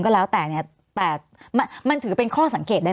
ก็แล้วแต่เนี่ยแต่มันถือเป็นข้อสังเกตได้